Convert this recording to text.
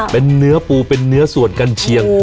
เป็นเนื้อปูเป็นเนื้อส่วนกันเชียง